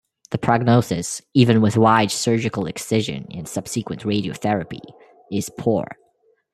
The prognosis, even with wide surgical excision and subsequent radiotherapy, is poor.